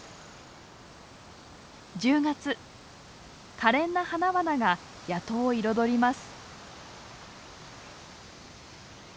かれんな花々が谷戸を彩ります。